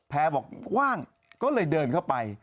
บอกว่างก็เลยเดินเข้าไป